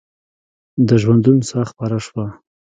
د ژوندون ساه خپره شوه